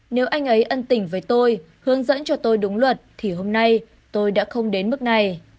nếu anh ấy ân tình với tôi hướng dẫn cho tôi đúng luật thì hôm nay tôi đã không đến mức này